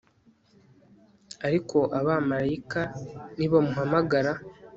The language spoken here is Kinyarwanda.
ariko abamarayika nibamuhamagara